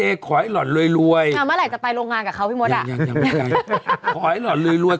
อ่ะมาไหนจะไปโรงงานกับเขาพี่มดอ่ะยังไม่ได้ขอให้หลอนล้วย